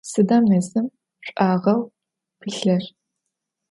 Sıda mezım ş'uağeu pılhır?